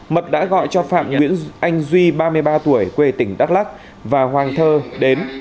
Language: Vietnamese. mật đã gọi cho phạm nguyễn anh duy ba mươi ba tuổi quê tỉnh đắk lắc và hoàng thơ đến